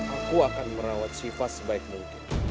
aku akan merawat siva sebaik mungkin